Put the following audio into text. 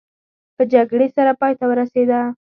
په جګړې سره پای ته ورسېده.